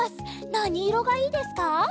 なにいろがいいですか？